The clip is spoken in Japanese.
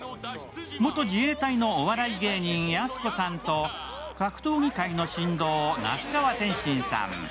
元自衛隊のお笑い芸人、やす子さんと格闘技界の神童・那須川天心さん